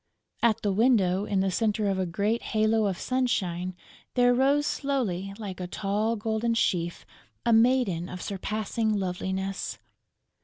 At the window, in the center of a great halo of sunshine, there rose slowly, like a tall golden sheaf, a maiden of surpassing loveliness!